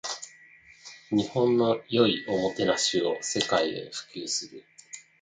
日本の良いおもてなしを世界へ普及する